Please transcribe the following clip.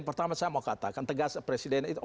pertama saya mau katakan tegas presiden itu